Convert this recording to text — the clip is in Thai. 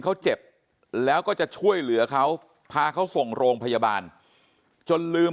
เขาเจ็บแล้วก็จะช่วยเหลือเขาพาเขาส่งโรงพยาบาลจนลืม